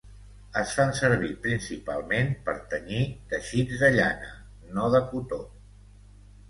Es fan servir principalment per tenyir teixits de llana, no de cotó.